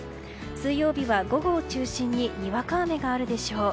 水曜日は午後を中心ににわか雨があるでしょう。